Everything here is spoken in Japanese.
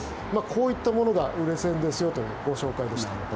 こういったものが売れ線ですよというご紹介でした。